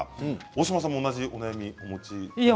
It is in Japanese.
大島さんも同じお悩みをお持ちだとか。